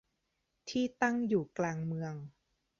ที่ตั้งอยู่กลางเมือง